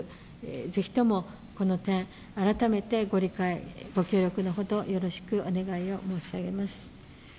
ぜひともこの点、改めてご理解、ご協力のほど、よろしくお願いを申し上げます。